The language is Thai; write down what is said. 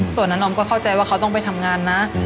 ส่วนนั้นออมก็เข้าใจว่าเขาต้องไปทำงานนะ